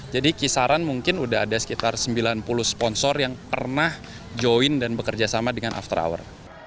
jadi kisaran mungkin udah ada sekitar sembilan puluh sponsor yang pernah join dan bekerja sama dengan after hour